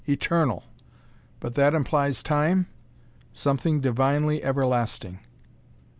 Eternal! But that implies Time? Something Divinely Everlasting.